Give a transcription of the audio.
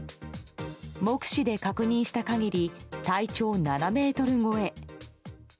目視で確認した限り体長７ｍ超え。